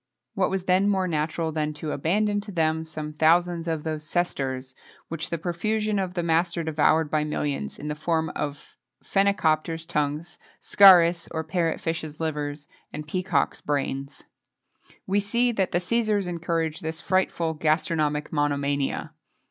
What was then more natural than to abandon to them some thousands of those sesterces, which the profusion of the master devoured by millions, in the form of phenicopters' tongues, scarus or parrot fishes' livers, and peacocks' brains? We see that the Cæsars encouraged this frightful gastronomic monomania.